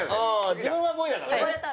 自分は５位だからね。